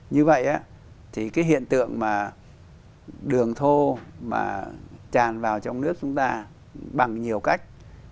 như vậy thì cái hiện tượng mà đường thô mà tràn vào trong nước chúng ta bằng nhiều cách